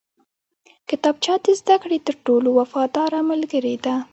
کتابچه د زده کړې تر ټولو وفاداره ملګرې ده